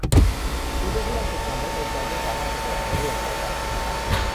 มีเรื่องที่ต้องเก็บงำไว้ในใจไม่สามารถจะเปิดเผยได้อย่างใจปรารถนา